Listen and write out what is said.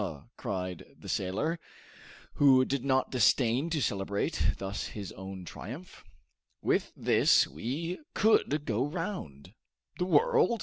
cried the sailor, who did not disdain to celebrate thus his own triumph. "With this we could go round " "The world?"